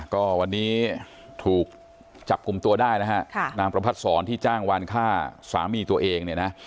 ก็วันนี้ถูกจับกลุ่มตัวได้นะฮะนางประพัดศรที่จ้างวานฆ่าสามีตัวเองเนี่ยนะ